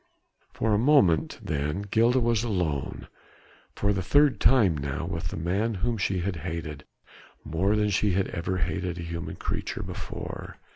For a moment then Gilda was alone for the third time now with the man whom she had hated more than she had ever hated a human creature before.